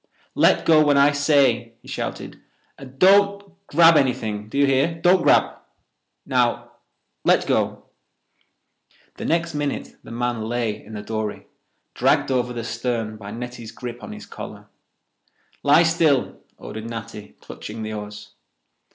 "Let go when I say," he shouted, "and don't—grab—anything, do you hear? Don't—grab. Now, let go." The next minute the man lay in the dory, dragged over the stern by Netty's grip on his collar. "Lie still," ordered Natty, clutching the oars.